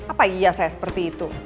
apa iya saya seperti itu